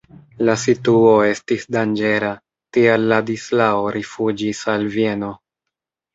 La situo estis danĝera, tial Ladislao rifuĝis al Vieno.